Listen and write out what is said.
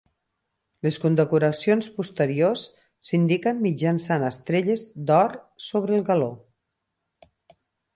Les condecoracions posteriors s'indiquen mitjançant estrelles d'or sobre el galó.